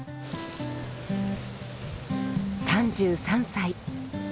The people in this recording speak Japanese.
３３歳。